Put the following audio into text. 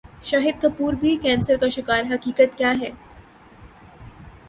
شاہد کپور بھی کینسر کے شکار حقیقت کیا ہے